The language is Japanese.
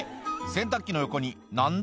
洗濯機の横に何だ？